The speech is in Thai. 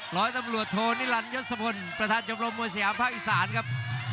ร้อยตำรวจโทนิรันยศพลประธานชมรมมวยสยามภาคอีสานครับ